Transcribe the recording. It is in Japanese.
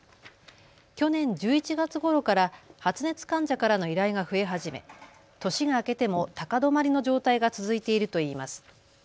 去年１１月ごろから発熱患者からの依頼が増え始め、年が明けても高止まりの状態が続いているといいます。